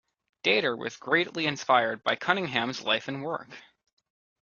Dater was greatly inspired by Cunningham's life and work.